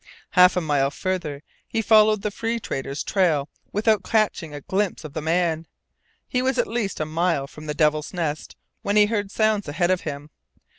Half a mile farther he followed the Free Trader's trail without catching a glimpse of the man. He was at least a mile from the Devil's Nest when he heard sounds ahead of him.